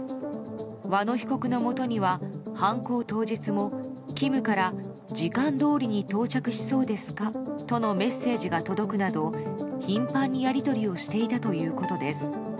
和野被告のもとには犯行当日もＫＩＭから時間どおりに到着しそうですかとのメッセージが届くなど頻繁にやり取りをしていたということです。